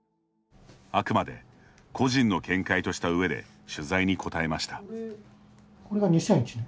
あくまで個人の見解とした上で取材に答えました。